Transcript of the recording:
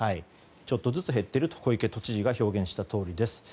ちょっとずつ減っていると小池都知事が表現した通りです。